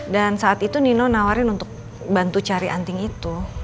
dan saat itu nino nawarin untuk bantu cari anting itu